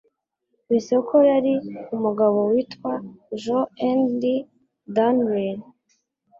Bisa ko yari umugabo witwa Joh n L. Darwin.